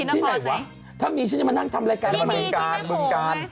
ที่ไหนวะถ้ามีฉันจะมานั่งทำรายการมันมึงกาญมึงกาญมันมึงกาญ